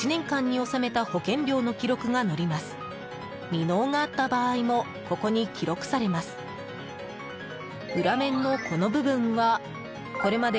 未納があった場合もここに記録されます。